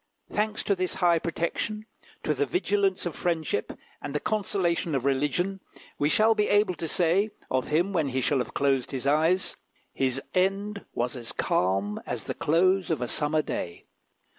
Thanks to this high protection, to the vigilance of friendship and the consolation of religion, we shall be able to say, of him when he shall have closed his eyes, "His end was as calm as the close of a summer day."